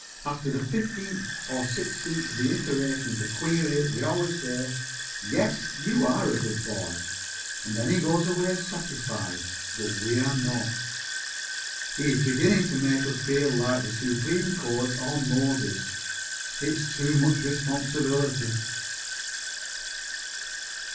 After the fifteenth or sixteenth reiteration of the query we always say, "Yes, you are a good boy," and then he goes away satisfied. But we are not. He is beginning to make us feel like the Supreme Court or Moses. It's too much responsibility.